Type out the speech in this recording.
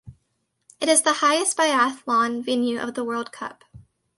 It is the highest biathlon venue of the World Cup.